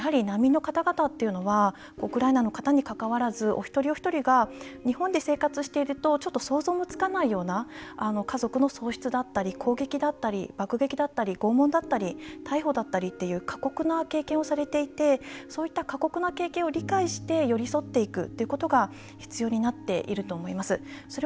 やはり、難民の方々はウクライナの方にかかわらずお一人お一人が日本で生活していると想像もつかないような家族の喪失だったり攻撃だったり爆撃だったり拷問だったり逮捕だったりっていう過酷な経験をされていてそういった経験を理解して寄り添っていくことが必要になっていると思います。